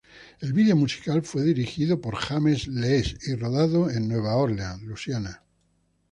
El video musical fue dirigido por James Lees y rodado en Nueva Orleans, Louisiana.